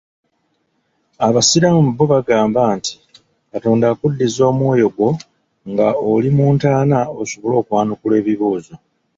Abasiraamu bo bagamba nti Katonda akuddiza omwoyo gwo nga oli mu ntaana osobole okwanukula ebibuuzo.